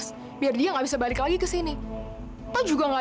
sampai jumpa di video selanjutnya